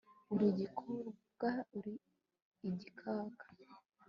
uri igikobwa uri igikaka